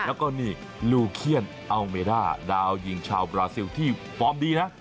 แล้วก็นี่ลูเคียนอัลเมด้าดาวยิงชาวบราซิลที่ฟอร์มดีนะ